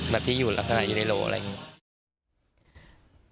ที่อยู่ลักษณะยูไนโลอะไรอย่างนี้